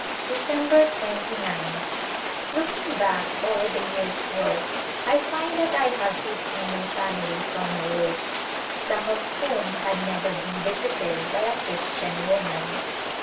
December 2gth. Looking back over the year's work I find that I have fifty new families on my list, some of whom had never been visited by a Christian woman.